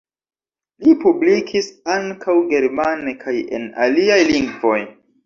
Li publikis ankaŭ germane kaj en aliaj lingvoj.